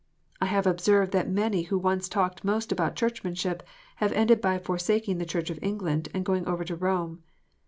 I have observed that many who once talked most about Churchmanship have ended by forsaking the Church of England, and going over to Rome.